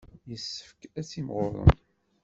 Yessefk ad timɣurem.